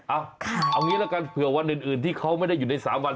เอางี้ละกันเผื่อวันอื่นที่เขาไม่ได้อยู่ใน๓วัน